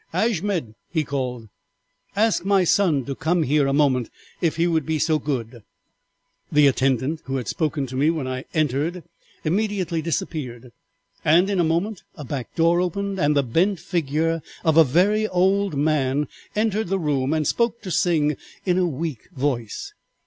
"'Ashmed,' he called, 'ask my son to come here a moment if he will be so good.' "The attendant who had spoken to me when I entered immediately disappeared, and in a moment a back door opened and the bent figure of a very old man entered the room and spoke to Sing in a weak voice.